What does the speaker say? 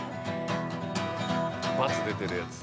バツ出てるやつ。